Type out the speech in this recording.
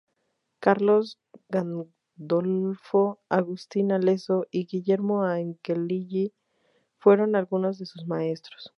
Carlos Gandolfo, Agustín Alezzo y Guillermo Angelelli fueron algunos de sus maestros.